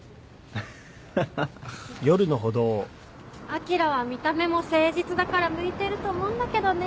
あきらは見た目も誠実だから向いてると思うんだけどね。